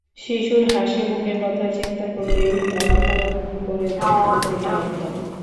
শিশুর হাসি মুখের কথা চিন্তা করেই তাঁরা পূরণ করে দেন প্রতিটি আবদার।